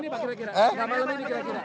pak jadi malam ini kira kira